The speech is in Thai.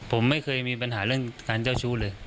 ผมไม่เคยมีปัญหาเรื่องการเจ้าชู้เลย